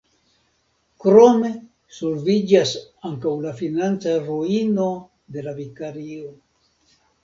Krome solviĝas ankaŭ la financa ruino de la vikario.